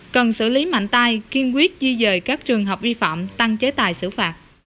cần xử lý mạnh tay kiên quyết di dời các trường hợp vi phạm tăng chế tài xử phạt